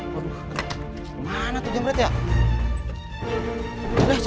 bez aduh speakingic